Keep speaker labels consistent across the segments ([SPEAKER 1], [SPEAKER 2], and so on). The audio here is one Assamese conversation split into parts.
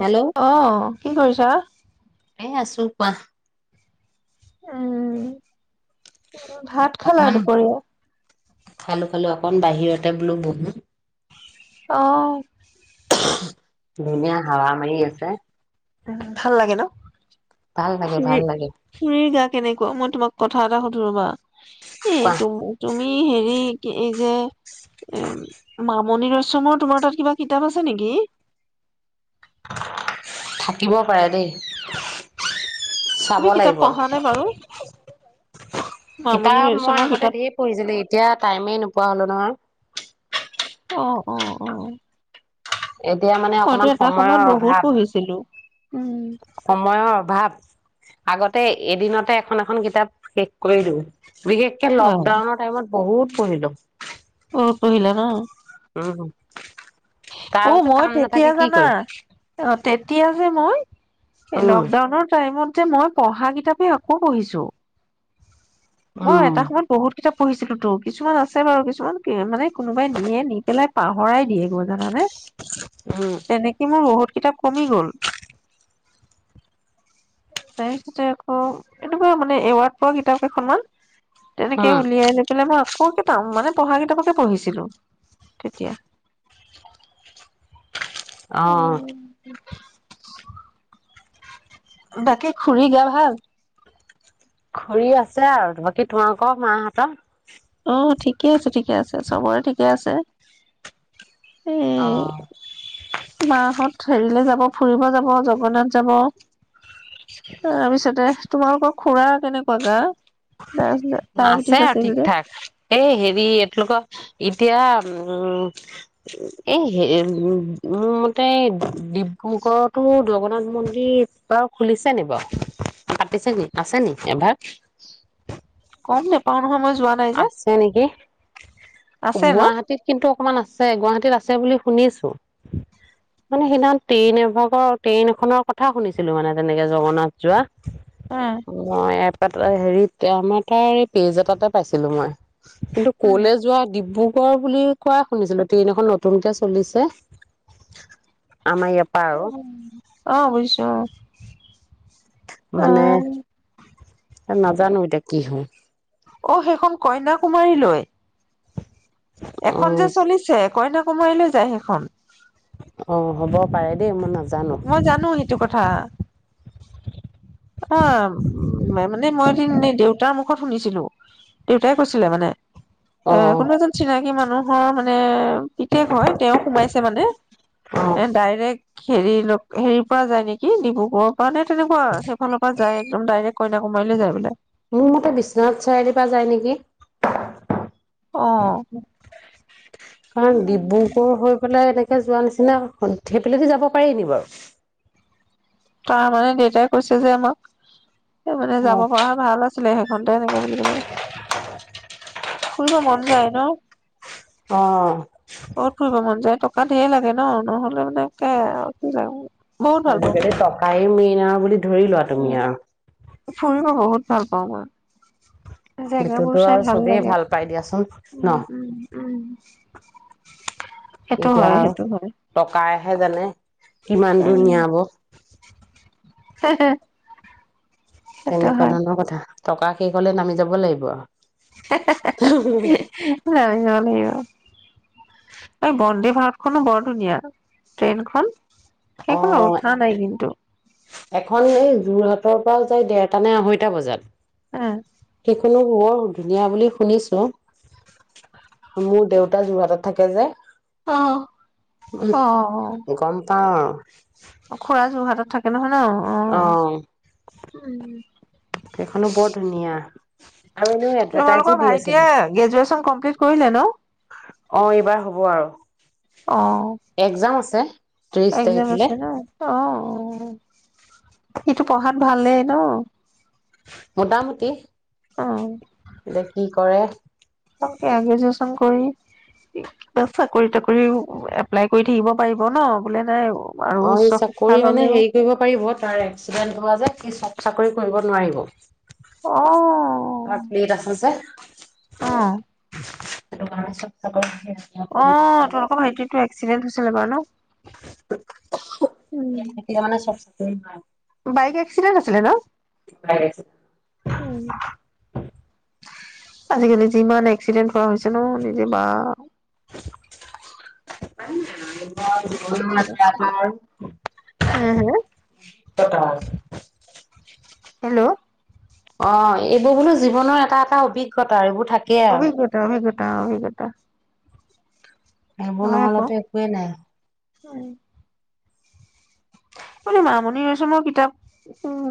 [SPEAKER 1] হেল্ল'
[SPEAKER 2] অহ কি কৰিছা
[SPEAKER 1] এ আছো কোৱা
[SPEAKER 2] উম ভাত খালা
[SPEAKER 1] অকমান
[SPEAKER 2] দুপৰীয়া
[SPEAKER 1] খালো খালো অকণ বাহিৰতে বোলো বহো
[SPEAKER 2] অহ
[SPEAKER 1] [unintelligible] ধুনীয়া হাৱা মাৰি আছে
[SPEAKER 2] উম ভাল লাগে ন
[SPEAKER 1] ভাল লাগে ভাল
[SPEAKER 2] খুৰীৰ
[SPEAKER 1] লাগে
[SPEAKER 2] খুৰীৰ গা কেনেকে আ মই তোমাক কথা এটা সুধো ৰবা এ
[SPEAKER 1] কোৱা
[SPEAKER 2] তুমি তুমি হেৰি কি এই যে এ মামণি ৰয়ছমৰ তোমাৰ তাত কিবা কিতাপ আছে নেকি?
[SPEAKER 1] থাকিব পাৰে দেই
[SPEAKER 2] তুমি
[SPEAKER 1] চাব
[SPEAKER 2] কিতাপ
[SPEAKER 1] লাগিব
[SPEAKER 2] পঢ়া নে বাৰু মামণি
[SPEAKER 1] কিতাপ মই
[SPEAKER 2] ৰয়চমৰ
[SPEAKER 1] আগতে
[SPEAKER 2] কিতাপ
[SPEAKER 1] ধেৰ পঢ়িছিলো। এতিয়া টাইমেই নোপোৱা হলো নহয়
[SPEAKER 2] অহ অহ অহ
[SPEAKER 1] এতিয়া মানে অকমান সময়ৰ
[SPEAKER 2] বহুত
[SPEAKER 1] অভাৱ
[SPEAKER 2] পঢ়িছিলো উম
[SPEAKER 1] সময়ৰ অভাৱ আগতে এদিনতে এখন এখন কিতাপ শেষ কৰি দিওঁ। বিশেষকে
[SPEAKER 2] হয়
[SPEAKER 1] লকডাউনৰ টাইমত বহুত পহিলো
[SPEAKER 2] অহ পহিলা ন
[SPEAKER 1] উম তাৰ
[SPEAKER 2] অহ
[SPEAKER 1] পিছত কাম
[SPEAKER 2] মই তেতিয়া
[SPEAKER 1] নাথাকে কি
[SPEAKER 2] জানা
[SPEAKER 1] কৰিম
[SPEAKER 2] অ তেতিয়া যে মই এই
[SPEAKER 1] উম
[SPEAKER 2] লকডাউনৰ টাইমত যে মই পঢ়া কিতাপে আকৌ পঢ়িছো মই
[SPEAKER 1] উম
[SPEAKER 2] এটা সময়ত বহুত কিতাপ পঢ়িছিলো তো কিছুমান আছে বাৰু কিছুমান মানে কোনোবাই দিয়ে নি পেলাই পাহৰাই দিয়ে গৈ জানানে।
[SPEAKER 1] উম
[SPEAKER 2] তেনেকে মই বহুত কিতাপ কমি গ'ল তাৰপিছতে আকৌ এনেকুৱা মানে এৱাৰ্ড পোৱা কিতাপ কেইখনমান তেনেকে উলিয়াই লৈ পেলাই ন ক কি পাম মানে পঢ়া কিতাপকে পঢ়িছিলো তেতিয়া
[SPEAKER 1] অঁ
[SPEAKER 2] উম, তাকে খুৰি গা ভাল
[SPEAKER 1] খুঢ়ি আছে আৰু বাকী তোমাৰোকৰ মাহঁতৰ
[SPEAKER 2] অ ঠিকে আছে ঠিকে আছে চবৰে ঠিকে আছে
[SPEAKER 1] অঁ
[SPEAKER 2] মাহত হেৰিলে যাব ফুৰিব যাব জগন্নাথ যাব তাৰপিছতে তোমালোকৰ খুৰা কেনেকুৱা গা ডায়েবেটিছ
[SPEAKER 1] আছে আৰু
[SPEAKER 2] আছিল
[SPEAKER 1] ঠিক
[SPEAKER 2] যে
[SPEAKER 1] ঠাক এই হেৰি এইলোকৰ এতিয়া উম এই হে মোৰ মতে ডিব্ৰুগড়তো জগন্নাথ মন্দিৰ বাৰু খুলিছে নি বাৰু পাতিছে নি আছে কি এভাগ
[SPEAKER 2] গম নোপাওঁ নহয় মই যোৱা নাই যে
[SPEAKER 1] আছে নেকি
[SPEAKER 2] আছে ন
[SPEAKER 1] গুৱাহাটীত কিন্তু অকমান আছে গুৱাহাটীত আছে বুলি শুনিছো মানে সেইদিনা ট্ৰেইন এভাগৰ ট্ৰেইন এখনৰ কথা শুনিছিলো মানে তেনেকে জগন্নাথ যোৱা মই এ হেৰিত আমাৰ তাৰ এই পেজ এটা এ পাইছিলোঁ মই কিন্তু
[SPEAKER 2] উম
[SPEAKER 1] কলে যোৱা ডিব্ৰু কৰ বুলি কোৱা শুনিছিলো ট্ৰেইন এখন নতুনকে চলিছে আমাৰ ইয়াৰ পৰা আৰু
[SPEAKER 2] অঁ বুজছো অঁ
[SPEAKER 1] মানে
[SPEAKER 2] আহ
[SPEAKER 1] নাজানো এতিয়া কি হল
[SPEAKER 2] অ সেইখন কন্যা কুমাৰীলৈ
[SPEAKER 1] অ
[SPEAKER 2] এখন যে চলিছে কন্যা কুমাৰীলৈ যায় সেইখন
[SPEAKER 1] অ হ'ব পাৰে দেই মই নাজানো
[SPEAKER 2] মই জানো সেইটো কথা অ উ মানে মই এদিন দেউতাৰ মুখত শুনিছিলো দেউতাই কৈছিলে মানে
[SPEAKER 1] অ
[SPEAKER 2] ওম কোনো এজন চিনাকি মানুহ ৰ মানে পিতেক হয় তেওঁ সোমাইছে মানে
[SPEAKER 1] অ
[SPEAKER 2] এ ডাইৰেক্ট হেৰি হেৰি পৰা যায় নেকি ডিব্ৰুগড় কোৱা নাই তেনেকুৱা ফালৰ পৰা যায় একম ডাইৰেক্ট কইনা কুমাৰিলৈ যায় বোলে
[SPEAKER 1] মোৰ মতে বিশ্বনাথ চাৰিআলিৰ পৰা যায় নেকি?
[SPEAKER 2] অ
[SPEAKER 1] কাৰণ ডিব্ৰুগড় হৈ পেলাই এনেকে তে যোৱা নিচিনা সন্ধেই পেল যাব পাৰি নি বাৰু
[SPEAKER 2] তাৰ মানে দেউতাই কৈছে যে আমাক মানে
[SPEAKER 1] অ
[SPEAKER 2] যাব পৰা ভাল আছিলে সহ সদায় লাগে বুলি ক'লে ফুৰিব মন যাই ন
[SPEAKER 1] অ
[SPEAKER 2] কত ফুৰিব মন যায় তোক অকান ঢেই লাগে ন নহ'লে মানে কি লাগ
[SPEAKER 1] আজিকালি টকাই মেইনা বুলি ধৰি লোৱা তুমি আৰু
[SPEAKER 2] ফোনটু বহুত ভাল পাওঁ মই জেগাবোৰ
[SPEAKER 1] সেইটোতো
[SPEAKER 2] চাই
[SPEAKER 1] আৰু চবেই
[SPEAKER 2] লাগে
[SPEAKER 1] ভাল পাই দিয়াচোন
[SPEAKER 2] উম
[SPEAKER 1] ন
[SPEAKER 2] উম উম সেইটো
[SPEAKER 1] এতিয়া
[SPEAKER 2] হয়
[SPEAKER 1] আৰু
[SPEAKER 2] সেইটো হয়
[SPEAKER 1] টকাইহে জানে কিমান ধুনীয়া হব
[SPEAKER 2] হ
[SPEAKER 1] তেনেকুৱা ধৰণৰ কথা টকা শেষ হ'লে নামি যাব লাগিব আৰু
[SPEAKER 2] হে হে এই বন্দে ভাৰতখনো বৰ ধুনীয়া ট্ৰেইনখন
[SPEAKER 1] অ
[SPEAKER 2] সেই খনত‌ উঠা নাই কিন্তু
[SPEAKER 1] এখন এই যোৰহাটৰ পৰা যাই দেৰটা নে আঢ়ৈটা বজাত
[SPEAKER 2] হে
[SPEAKER 1] সেইখনো বৰ ধুনীয়া বুলি শুনিছো মোৰ দেউতা যোৰহাটত থাকে যে
[SPEAKER 2] অহ অহ
[SPEAKER 1] গম পাওঁ আৰু।
[SPEAKER 2] অ খুৰা যোৰহাট তাত থাকে নহয় অ
[SPEAKER 1] অহ সেইখনো বৰ ধুনীয়া এনেও এডভাৰটাইজো
[SPEAKER 2] তোমালোকৰ
[SPEAKER 1] দি
[SPEAKER 2] ভাইটিয়ে
[SPEAKER 1] আছিলে।
[SPEAKER 2] গ্ৰেজুৱেচন কমপ্লিট কৰিলে ন
[SPEAKER 1] অ এইবাৰ হ'ব আৰু
[SPEAKER 2] অ
[SPEAKER 1] একজাম আছে ত্ৰিশ
[SPEAKER 2] এক্জাম
[SPEAKER 1] তাৰিখে
[SPEAKER 2] আছে ন অ সেইটো পঢ়াত ভালেই ন
[SPEAKER 1] মোটামুটি
[SPEAKER 2] অ
[SPEAKER 1] এতিয়া কি কৰে
[SPEAKER 2] সেয়া গ্ৰেজুৱেচন কৰি চাকৰি তাকৰি এপ্লাই কৰি থাকিব পাৰিব ন বোলে নাই আৰু
[SPEAKER 1] অ
[SPEAKER 2] উচ্চ শিক্ষা
[SPEAKER 1] চাকৰি মানে
[SPEAKER 2] ললেও
[SPEAKER 1] হেৰি কৰিব পাৰি বত তাৰ এক্সিডেণ্ট হোৱা যে সি চব চাকৰি কৰিব নোৱাৰিব
[SPEAKER 2] অ
[SPEAKER 1] আপুনি দেখা যায়
[SPEAKER 2] অহ
[SPEAKER 1] তাৰ পিছত চবকে
[SPEAKER 2] অ তোমালোকৰ ভাইটিটোৰএক্সিডেন্ট হৈ চিলে বাৰু ন উম,
[SPEAKER 1] তেতিয়া মানে চব হয়
[SPEAKER 2] বাইক এক্সিডেণ্ট আছিলে ন ওম আজিকালি যিমান এক্সিডেন্ট কৰা হৈছে ন নিজে বা
[SPEAKER 1] [unintelligible]
[SPEAKER 2] হে হে
[SPEAKER 1] [unintelligible] টপাৰ
[SPEAKER 2] হেল্ল'
[SPEAKER 1] অ এইবোৰ বোলো জীৱনৰ এটা এটা অভিজ্ঞতা এইবোৰ থাকেই আৰু
[SPEAKER 2] অভিজ্ঞতা অভিজ্ঞতা অ অভিজ্ঞতা
[SPEAKER 1] এই বোৰ
[SPEAKER 2] আকৌ
[SPEAKER 1] নহলেতো একোৱেই নাই
[SPEAKER 2] হয় মামণি ৰচমৰ কিতাপ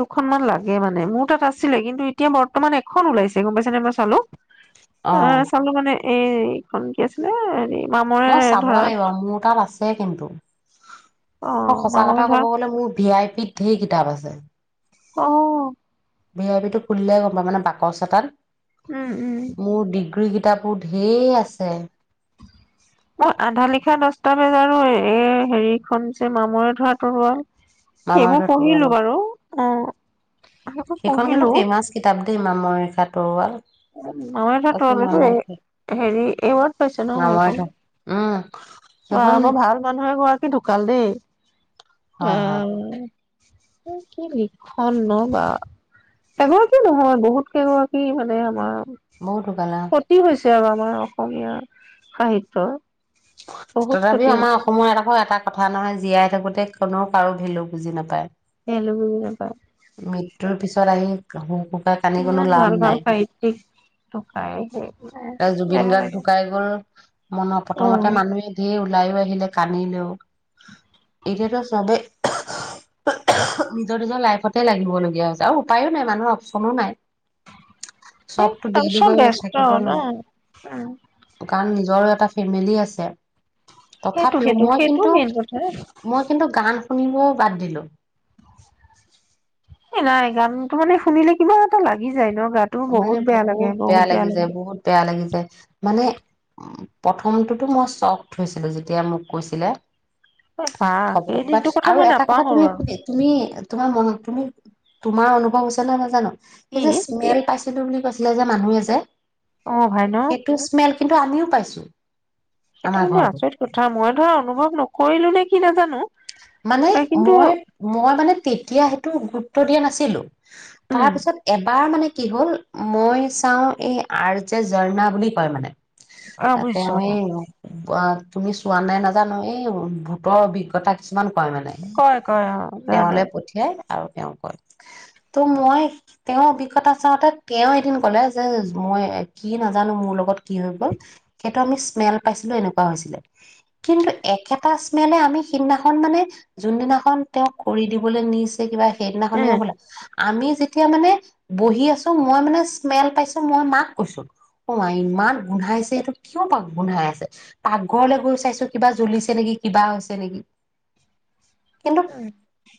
[SPEAKER 2] দুখনমানান লাগে মানে মোৰ তাত আছিলে কিন্তু এতিয়া বৰ্তমান এখন ওলাইছে গম পাইছে নে মই চালোঁ। অ চলো মানে এইখন কি আছিলে হেৰি মামৰে
[SPEAKER 1] মই চাব
[SPEAKER 2] ধৰাত
[SPEAKER 1] লাগিব আৰু মোৰ তাত আছে কিন্তু
[SPEAKER 2] অ
[SPEAKER 1] আৰু সঁচা
[SPEAKER 2] মামৰে
[SPEAKER 1] কথা ক'ব
[SPEAKER 2] ধৰাত
[SPEAKER 1] গ'লে মোৰ ভি আই পিত ঢেৰ কিতাপ আছে
[SPEAKER 2] অহ
[SPEAKER 1] বি আই পি টো খুলিলে গম পাম মানে বাকচ এটাত
[SPEAKER 2] উম উম
[SPEAKER 1] মোৰ ডিগ্ৰী কিতাপবোৰ ঢেৰ আছে
[SPEAKER 2] মই আধা লিখা দচটা বেজাৰো এই হেৰিখন যে মামৰে ধৰা তৰোৱাল সেইবোৰ
[SPEAKER 1] মামৰেখা
[SPEAKER 2] পঢ়িলো
[SPEAKER 1] তৰুৱালৰ
[SPEAKER 2] বাৰু অ সেইবোৰ
[SPEAKER 1] সেইখন কিন্তু
[SPEAKER 2] পঢ়িলো
[SPEAKER 1] ফেমাচ কিতাপ দেই মামৰখাত টোৱেলভ
[SPEAKER 2] মমাৰ এ ত ত হেৰি এইবাত পাইছে ন সেইখন
[SPEAKER 1] আমাৰতো উম
[SPEAKER 2] বা
[SPEAKER 1] সেইখন
[SPEAKER 2] মই ভাল মানুহে কোৱা কি ঢোকাল দেই
[SPEAKER 1] হয় হয়
[SPEAKER 2] আহ কি লক্ষন বা এগৰাকী নহয় বহুত কেইগৰাকী মানে আমাৰ
[SPEAKER 1] বহুত গালা
[SPEAKER 2] ক্ষতি হৈছে আমাৰ অসমীয়া সাহিত্য
[SPEAKER 1] তথাপিও আমাৰ অসমৰ এটাকো এটা কথা নহয় জীয়াই থাকোতে কোনো কাৰো ভেলু বুজি নাপায়
[SPEAKER 2] ভেলু নাপায়
[SPEAKER 1] মৃত্যুৰ পিছত আহি কান্দি কোনো
[SPEAKER 2] ইমান
[SPEAKER 1] লাভ
[SPEAKER 2] ভাল ভাল
[SPEAKER 1] নাই
[SPEAKER 2] সাহিত্যিক ঢুকাই সেই
[SPEAKER 1] জুবিন
[SPEAKER 2] বেয়া
[SPEAKER 1] গাৰ্গ
[SPEAKER 2] লাগে
[SPEAKER 1] ঢুকাই গল মন
[SPEAKER 2] অ
[SPEAKER 1] প্ৰথমতে মানুহে ধৰ ওলাই আহিলে কান্দিলেও এতিয়াতো চবে নিজৰ নিজৰ লাইফত ত লাগিবলগীয়া হৈছে আৰু উপায়ো নাই মানুহ অপচনো নাই
[SPEAKER 2] ত
[SPEAKER 1] চবতো ডেইলি
[SPEAKER 2] চব
[SPEAKER 1] গৈ
[SPEAKER 2] ব্যস্ত
[SPEAKER 1] থাকিব
[SPEAKER 2] ন উ
[SPEAKER 1] নোৱাৰো কাৰণ নিজৰো এটা ফেমিলি আছে
[SPEAKER 2] সেইটো
[SPEAKER 1] তথাপিও
[SPEAKER 2] সেইটো
[SPEAKER 1] মই
[SPEAKER 2] সেইটো
[SPEAKER 1] কিন্তু
[SPEAKER 2] মেইন কথা
[SPEAKER 1] মই কিন্তু গান শুমও বাদ দিলো
[SPEAKER 2] এ নাই গানটো মানে শুনিলে কিবা এটা লাগি যায় ন গাটো
[SPEAKER 1] মানে
[SPEAKER 2] বেয়া লাগে
[SPEAKER 1] বহুত বেয়া লাগি যায়
[SPEAKER 2] লাগে।
[SPEAKER 1] বহুত বেয়া লাগি যায় মানে প্ৰথমটোতো মই চখ হৈছিলো যেতিয়া মোক কৈছিলে
[SPEAKER 2] বা সেই
[SPEAKER 1] খবৰটো বা
[SPEAKER 2] দিনটোৰ কথা
[SPEAKER 1] আৰু
[SPEAKER 2] মই
[SPEAKER 1] এটা কথা তুমি
[SPEAKER 2] নাপাহৰো আৰু
[SPEAKER 1] শুনি তুমি তোমাৰ মনত তুমি তোমাৰ অনুভৱ হৈছে নে নাজানো সেই
[SPEAKER 2] কি
[SPEAKER 1] যে স্মেল পাইছিলো বুলি কৈছিলে যে মানুহ আ যে
[SPEAKER 2] অ ভাই ন
[SPEAKER 1] সেইটো স্মেল কিন্তু আমিও পাইছোঁ
[SPEAKER 2] সেইটো কিন্তু আচৰিত কথা মই ধৰা অনুভৱ নকৰিলো নে কি নাজানো
[SPEAKER 1] মানে
[SPEAKER 2] তই কিন্তু
[SPEAKER 1] মই মই মানে তেতিয়া সেইতো গুৰুত্ব দিয়া নাছিলো
[SPEAKER 2] উম
[SPEAKER 1] তাৰপিছত এবাৰ মানে কি হ'ল মই চাওঁ এই আৰ্য জঝৰ্ণা বুলি কয় মানে
[SPEAKER 2] অ
[SPEAKER 1] তাতে
[SPEAKER 2] বুজিছো
[SPEAKER 1] মই অ' তুমি চোৱা নাই নাজানো, এই ভূতৰ অভিজ্ঞতা কিছুমান কয় মানে।
[SPEAKER 2] কয় কয় অ ধৰা
[SPEAKER 1] তেওঁলৈ
[SPEAKER 2] নাই
[SPEAKER 1] পঠিয়াই আৰু তেওঁ কয়। ত' মই তেওঁৰ অভিজ্ঞতা চাওঁতে তেওঁ এদিন কলে যে মই কি নাজানো মোৰ লগত কি হৈ গ'ল, সেইটো আমি স্মেল পাইছিলো এনেকুৱা হৈছিলে। কিন্তু একেটা স্মেলে আমি সিদিনা খন মানে, যোনদিনাখন তেওঁক কৰি দিবলৈ নিছে কিবা
[SPEAKER 2] উম
[SPEAKER 1] সেইদিনাখনেও বোলে আমি যেতিয়া মানে, বহি আছো মই মানে স্মেল পাইছো মই মাক কৈছো, অ মা ইমান গোন্ধাইছে এইটো কিয় পাক গোন্ধাই আছে? পাকঘৰলৈ গৈ চাইছো কিবা জ্বলিছে নেকি, কিবা হৈছে নেকি? কিন্তু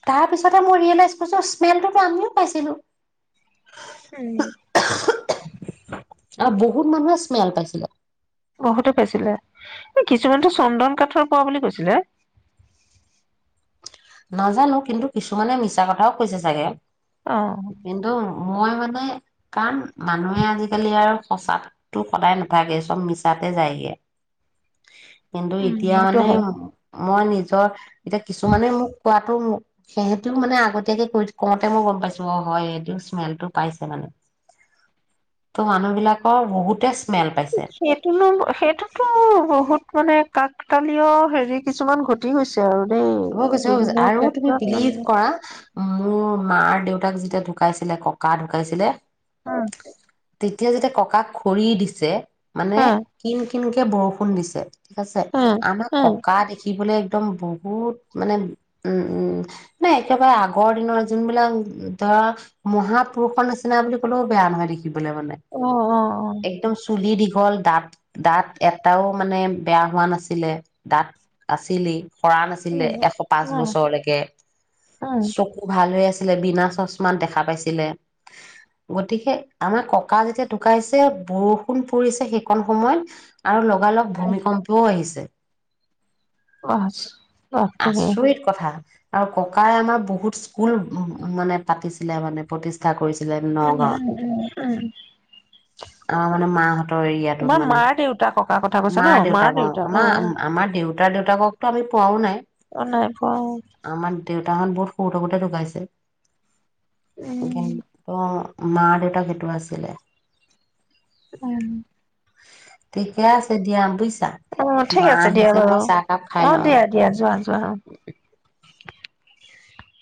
[SPEAKER 1] তাৰপিছতে ম‌ই [unintelligible] স্মেলতো আমিও পাইছিলো।
[SPEAKER 2] উম।
[SPEAKER 1] আৰু বহুত মানুহে স্মেল পাইছিলে।
[SPEAKER 2] বহুতে পাইছিলে। এই কিছুমানেতো চন্দন কাঠৰ পোৱা বুলি কৈছিলে।
[SPEAKER 1] নাজানো, কিন্তু কিছুমানে মিছা কথাও কৈছে চাগে।
[SPEAKER 2] অ
[SPEAKER 1] কিন্ত, মই মানে, কাৰণ মানুহে আজিকালি আৰু সচাতো সদায় নাথাকে চব মিছাতে যায়গে। কিন্তু
[SPEAKER 2] উম
[SPEAKER 1] এতিয়া
[SPEAKER 2] সেইটো
[SPEAKER 1] মানে,
[SPEAKER 2] হয়
[SPEAKER 1] মই নিজৰ এতিয়া কিছুমানে মোক কোৱাাতো সিহঁতেও মানে আগতীয়াকে কৈ কওঁতে মই গম পাইছো, অ হয় সেটোও স্মেলটো পাইছে মানে। ত' মানুহ বিলাকৰ বহুতে স্মেল পাইছে
[SPEAKER 2] সেইটোলৈ সেইটোতো বহুত মানে কাক কালিও হেৰি কিছুমান ঘটি গছে আৰু দেই
[SPEAKER 1] হৈ গৈছে, হৈ গৈছে
[SPEAKER 2] জুবিনৰ
[SPEAKER 1] আৰু তুমি
[SPEAKER 2] ক্ষেত্ৰত
[SPEAKER 1] বিলিভ কৰা মোৰ মাৰ দেউতাক যেতিয়া ঢুকাইছিলে, ককা ঢুকাইছিলে
[SPEAKER 2] ওম
[SPEAKER 1] তেতিয়া যেতিতে ককাক খৰি দিছে মানে কি কিনকে বৰষুণ দিছে। ঠিক আছে, আমাৰ ককা দেখিবলে একদম বহুত মানে উম - উম, মানে একেবাৰে আগৰ দিনৰ যোনবিলাক ধৰা মহাপুৰুষৰ নিচিনা বুলি ক'লেও বেয়া নহয় দে তিবলছ বনাই মানে
[SPEAKER 2] অ
[SPEAKER 1] একদম চুলি দীঘল, দাঁত দাঁত এটাও মানে বেয়া হোৱা নাছিলে, দাঁত আছিলেই। সৰা নাছিলে।
[SPEAKER 2] অ
[SPEAKER 1] এশ পাঁচ বছৰলৈকে চকু ভাল হৈ আছি লে বিনা চশমা দেখা পাইছিলে। গতিকে আমাৰ ককা যেতিয়া ঢুকাইছে বৰষুণ পৰিছে সেইকণ সময়ত আৰু লগালগ ভূমিকম্পও আহিছে
[SPEAKER 2] বচ
[SPEAKER 1] আচৰিত কথা। আৰু ককাই আমাৰ বহুত স্কুল উ মানে পাতিছিলে মানে প্ৰতিষ্ঠা কৰিছিল।
[SPEAKER 2] উম উম উম উ
[SPEAKER 1] আমা মানে মা হতৰ ৰিয়া টোত মানে
[SPEAKER 2] মাৰ দেউতা ককাৰ কথা কৈছা ন
[SPEAKER 1] মা
[SPEAKER 2] মাৰ
[SPEAKER 1] দেউতা
[SPEAKER 2] অ
[SPEAKER 1] আমাৰ আমাৰ দেউতা দেউতা ৰঘুক টো আমি পোৱাও নাই।
[SPEAKER 2] অ নাই পোৱা অ
[SPEAKER 1] তাহাত বহুত সৰু থাকোতে ঢকাইছে
[SPEAKER 2] উম
[SPEAKER 1] অহ মা দেউতাক এইটো আছিলে
[SPEAKER 2] উম
[SPEAKER 1] ঠিকে আছে দিয়া বুইছা।
[SPEAKER 2] অ ঠিক আছে দিয়া বাৰু
[SPEAKER 1] খাই
[SPEAKER 2] অ
[SPEAKER 1] লওঁ
[SPEAKER 2] দিয়া দিয়া যোৱা যোৱা।